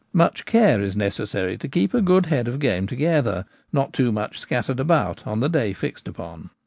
Much care is necessary to keep a good head of game together, not too much scattered about on the day fixed upon.